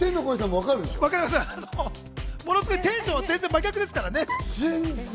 ものすごくテンションは真逆ですからね。